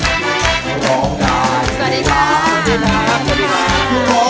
สวัสดีค่ะ